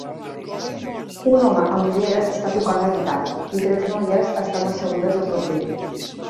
Un home amb ulleres està tocant la guitarra, i tres noies estan assegudes a prop d'ell.